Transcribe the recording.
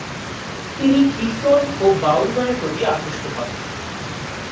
তিনি কীর্তন ও বাউল গানের প্রতি আকৃষ্ট হন।